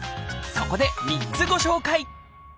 そこで３つご紹介！